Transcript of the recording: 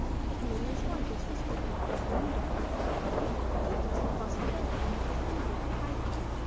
A committee was formed to assist me in conveying the wounded, not only to our own hospital, but also to those that were in the vicinity of the fighting.